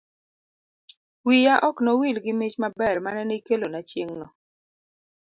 wiya ok no wil gi mich maber manene ikelona chieng'no.